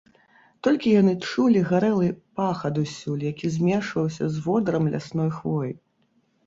Толькі яны чулі гарэлы пах адусюль, які змешваўся з водарам лясной хвоі.